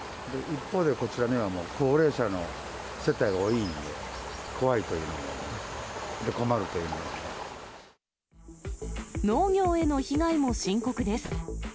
一方で、こちらには高齢者の世帯が多いんで、怖いというのと、農業への被害も深刻です。